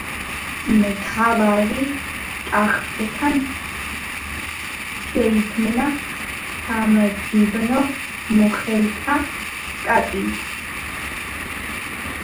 მთავრის ტახტთან შექმნა სამდივნო მოხელეთა შტატით.